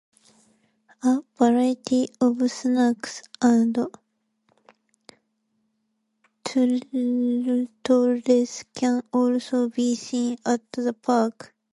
A variety of snakes and turtles can also be seen at the park.